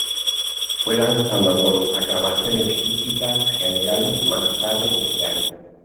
Fue lanzado con aclamaciones críticas generales más tarde ese año.